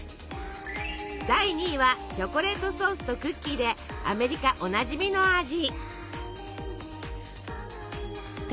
第２位はチョコレートソースとクッキーでアメリカおなじみの味。